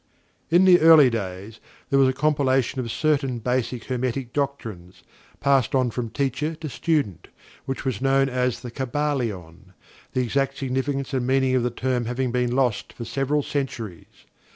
In the early days, there was a compilation of certain Basic Hermetic Doctrines, passed on from teacher to student, which was known as "THE KYBALION," the exact significance and meaning of the term having been lost for several centuries.